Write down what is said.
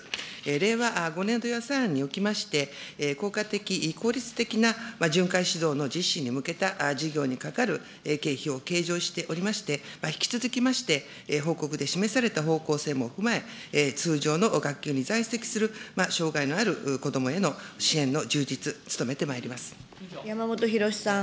令和５年度予算案におきまして、効果的、効率的な巡回指導の実施に向けた事業にかかる経費を計上しておりまして、引き続きまして、報告で示された方向性も踏まえ、通常の学級に在籍する障害のある子どもへの支援の充実、山本博司さん。